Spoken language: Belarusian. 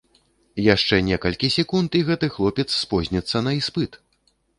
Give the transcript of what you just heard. Яшчэ некалькі секунд і гэты хлопец спозніцца на іспыт!